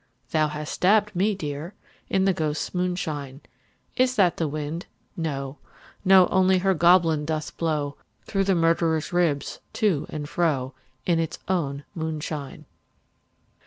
Thou hast stabbed me dear. In the ghosts' moonshine. Is that the wind ? No, no ; Only her goblin doth blow Through the murderer's ribs to and fro, In its own moonshine.